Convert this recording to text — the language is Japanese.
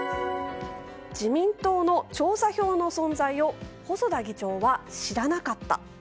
自民党の調査票の存在を細田議長は知らなかった。